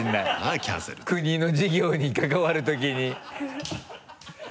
国の事業に関わるときに。